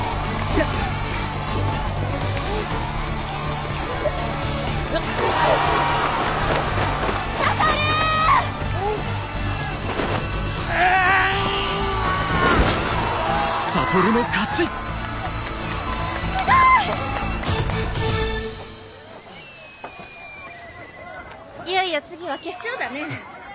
いよいよ次は決勝だね。